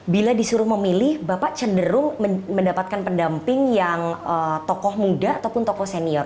bila disuruh memilih bapak cenderung mendapatkan pendamping yang tokoh muda ataupun tokoh senior